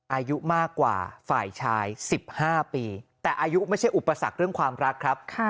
อายุมากกว่าฝ่ายชาย๑๕ปีแต่อายุไม่ใช่อุปสรรคเรื่องความรักครับ